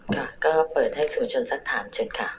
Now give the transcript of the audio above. ค่ะก็เปิดให้สื่อมวลชนสักถามเชิญค่ะ